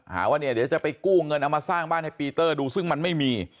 ว่าเนี่ยเดี๋ยวจะไปกู้เงินเอามาสร้างบ้านให้ปีเตอร์ดูซึ่งมันไม่มี